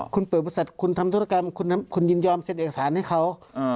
คุณเปิดบริษัทคุณทำธุรกรรมคุณยินยอมเซ็นเอกสารให้เขา